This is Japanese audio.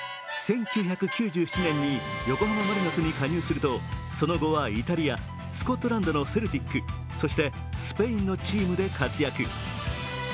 １９９７年に横浜マリノスに加入すると、その後はイタリア、スコットランドのセルティック、そしてスペインのチームで活躍。